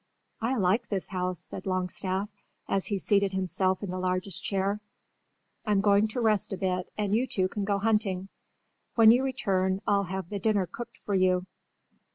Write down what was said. "I like this house," said Longstaff, as he seated himself in the largest chair. "I'm going to rest a bit and you two can go hunting. When you return I'll have the dinner cooked for you."